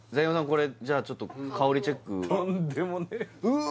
これじゃあちょっと香りチェックうわ